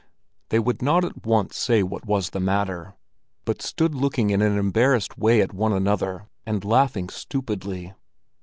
They would not at once say what was the matter, but stood looking in an embarrassed way at one another, and laughing stupidly.